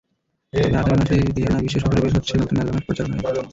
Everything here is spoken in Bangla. তবে আগামী মাসে রিয়ানা বিশ্ব সফরে বের হচ্ছেন নতুন অ্যালবামের প্রচারণায়।